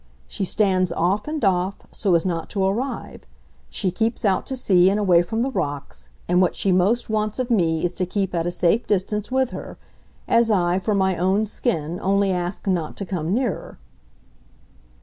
She stands off and off, so as not to arrive; she keeps out to sea and away from the rocks, and what she most wants of me is to keep at a safe distance with her as I, for my own skin, only ask not to come nearer."